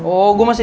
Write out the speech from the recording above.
oh gue masih